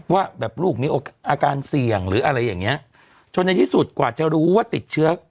ว่าแบบลูกมีอาการเสี่ยงหรืออะไรอย่างเงี้ยจนในที่สุดกว่าจะรู้ว่าติดเชื้อ